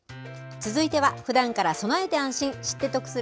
続いては、ふだんから備えて安心、知って得する！